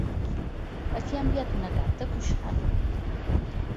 A qui ha enviat una carta Cuixart?